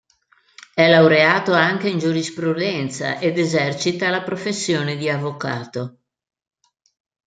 È laureato anche in giurisprudenza ed esercita la professione di avvocato.